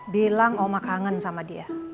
bilang oma kangen sama dia